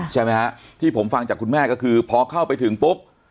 ใช่ไหมฮะที่ผมฟังจากคุณแม่ก็คือพอเข้าไปถึงปุ๊บ